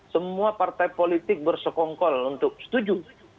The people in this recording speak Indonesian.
semua partai politik bersekongkol untuk setuju